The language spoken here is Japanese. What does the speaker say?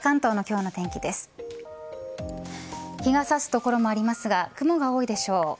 日が差す所もありますが雲が多いでしょう。